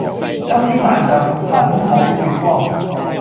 今天晚上，很好的月光。